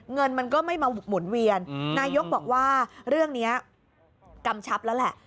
เงินมันก็ไม่มาหมุนเวียนนายกบอกว่าเรื่องนี้กำชับแล้วแหละ